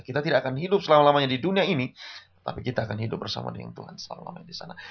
kita tidak akan hidup selama lamanya di dunia ini tapi kita akan hidup bersama dengan tuhan selama lamanya di sana